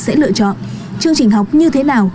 sẽ lựa chọn chương trình học như thế nào